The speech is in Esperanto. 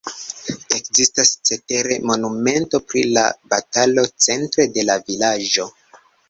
Ekzistas cetere monumento pri la batalo centre de la vilaĝo.